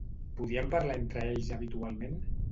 Podien parlar entre ells habitualment?